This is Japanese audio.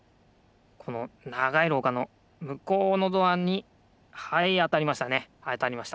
このながいろうかのむこうのドアにはいあたりましたねあたりました。